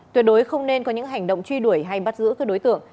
tuyệt đối không nên có những hành động truy đuổi hay bắt giữ các đối tượng